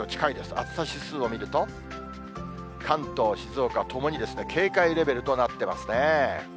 暑さ指数を見ると、関東、静岡、ともに警戒レベルとなってますね。